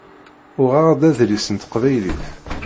Uɣeɣ-d adlis n teqbaylit.